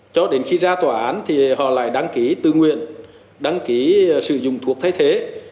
cho đến khi ra tòa án thì họ lại đăng ký tự nguyện đăng ký sử dụng thuốc thay thế